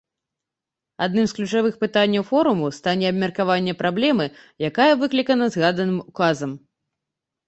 Адным з ключавых пытанняў форуму стане абмеркаванне праблемы, якая выклікана згаданым указам.